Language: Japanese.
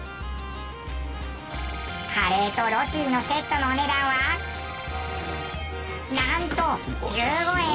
カレーとロティのセットのお値段はなんと１５円！